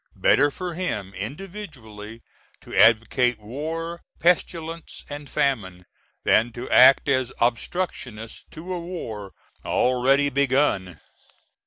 Better for him, individually, to advocate "war, pestilence, and famine," than to act as obstructionist to a war already begun.